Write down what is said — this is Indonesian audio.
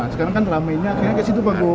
sekarang kan ramainya kayaknya kayak situ pak gup